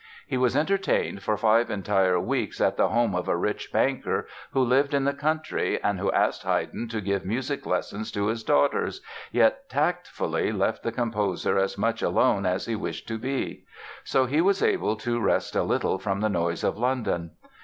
He was entertained for five entire weeks at the home of a rich banker who lived in the country and who asked Haydn to give music lessons to his daughters, yet tactfully left the composer as much alone as he wished to be. So he was able to rest a little from the noise of London.